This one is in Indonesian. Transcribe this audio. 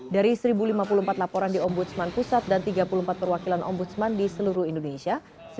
dari satu lima puluh empat laporan di ombudsman pusat dan tiga puluh empat perwakilan ombudsman di seluruh indonesia